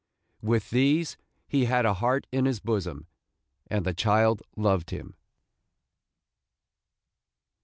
With these, he had a heart in his bosom, and the child loved him.